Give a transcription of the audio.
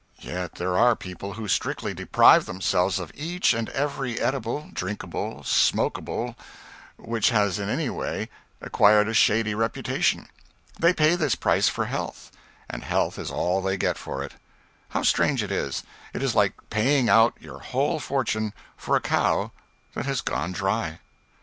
Yet there are people who strictly deprive themselves of each and every eatable, drinkable and smokable which has in any way acquired a shady reputation. They pay this price for health. And health is all they get for it. How strange it is; it is like paying out your whole fortune for a cow that has gone dry.